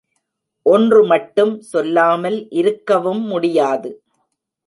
ஒன்று மட்டும் சொல்லாமல் இருக்கவும் முடியாது.